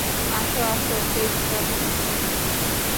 আসো, আসো, ফেজি বাবু।